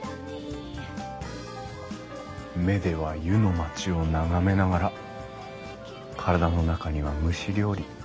目では湯の町を眺めながら体の中には蒸し料理。